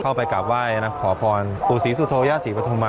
ไปกลับไหว้นะขอพรปู่ศรีสุโธย่าศรีปฐุมา